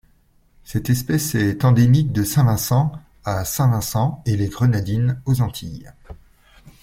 Cette espèce est endémique de Saint-Vincent à Saint-Vincent-et-les-Grenadines aux Antilles.